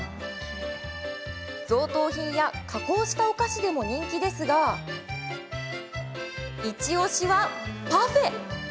贈答品や、加工したお菓子でも人気ですがイチおしはパフェ。